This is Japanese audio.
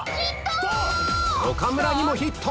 岡村にもヒット！